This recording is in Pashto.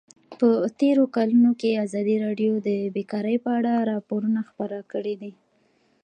په تېرو کلونو کې ازادي راډیو د بیکاري په اړه راپورونه خپاره کړي دي.